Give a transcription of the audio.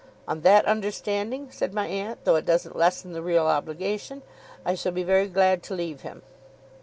'On that understanding,' said my aunt, 'though it doesn't lessen the real obligation, I shall be very glad to leave him.